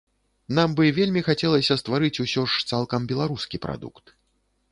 Нам бы вельмі хацелася стварыць усё ж цалкам беларускі прадукт.